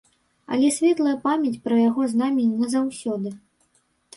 Але светлая памяць пра яго з намі назаўсёды.